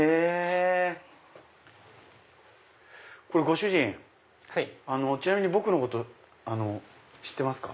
ご主人ちなみに僕のこと知ってますか？